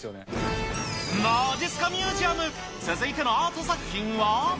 まじっすかミュージアム、続いてのアート作品は。